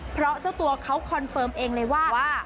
เพราะเจ้าตัวเขาคอนเฟิร์มเองเลยว่า